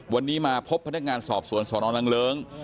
วันนี้มาพบพนักงานสอบสวนสนนางเลิ้ง